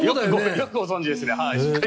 よくご存じですね。